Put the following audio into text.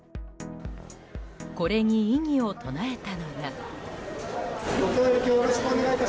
これに異議を唱えたのが。